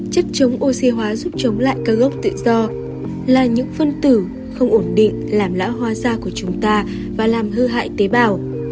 chất chống oxy hóa giúp chống lại ca gốc tự do là những phân tử không ổn định làm lã hoa da của chúng ta và làm hư hại tế bào